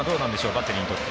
バッテリーにとって。